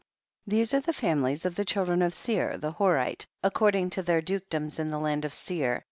37. These are the families of the children of Seir the Horite, accord ing to their dukedoms in the land of Seir.